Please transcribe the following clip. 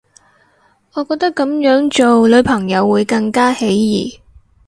我覺得噉樣做女朋友會更加起疑